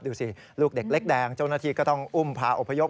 ดูสิลูกเด็กเล็กแดงเจ้าหน้าที่ก็ต้องอุ้มพาอพยพ